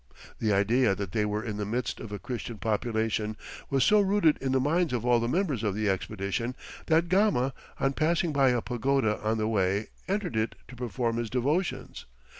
The idea that they were in the midst of a Christian population was so rooted in the minds of all the members of the expedition, that Gama, on passing by a pagoda on the way, entered it to perform his devotions.